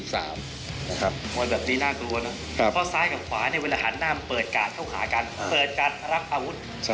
เพราะประวัติรอบประวัติก่อน